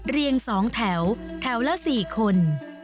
เรียง๒แถวแถวละ๔คน